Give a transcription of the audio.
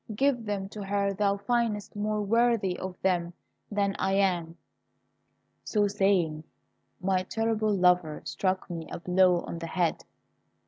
Give them to her thou findest more worthy of them than I am." So saying, my terrible lover struck me a blow on the head.